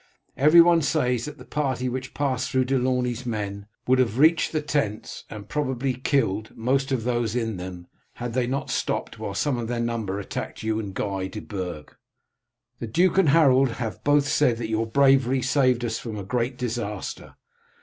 Everyone says that the party which passed through De Launey's men would have reached the tents and probably killed most of those in them had they not stopped while some of their number attacked you and Guy de Burg. The duke and Harold have both said that your bravery saved us from a great disaster.